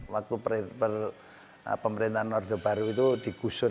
waktu perut perlu pemerintahan orde baru itu dikusur